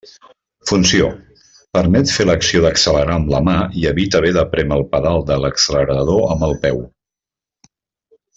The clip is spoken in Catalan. Funció: permet fer l'acció d'accelerar amb la mà i evita haver de prémer el pedal de l'accelerador amb el peu.